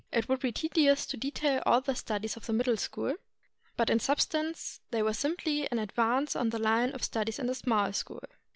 It would be tedious to detail all the studies of the Middle School, but in substance they were simply an advance on the Hne of studies of the Small School.